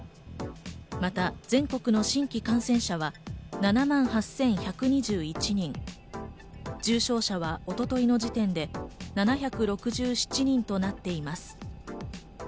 また全国の新規感染者は７万８１２１人、重症者は一昨日の時点で７６７人となっています。